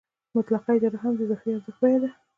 مطلقه اجاره هم د اضافي ارزښت بیه ده